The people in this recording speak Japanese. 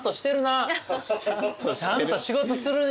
ちゃんと仕事するよね。